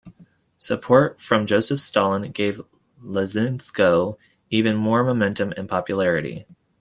Support from Joseph Stalin gave Lysenko even more momentum and popularity.